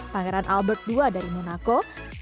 pangeran albert ii dari monaco